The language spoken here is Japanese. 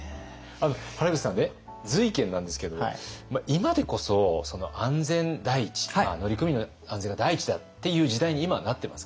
原口さんね瑞賢なんですけど今でこそ安全第一とか乗組員の安全が第一だっていう時代に今はなってます。